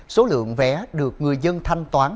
số lượng vé được người dân thanh toán